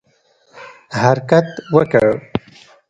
حرکت وکړ.